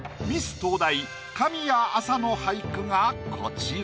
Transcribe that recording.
東大神谷明采の俳句がこちら。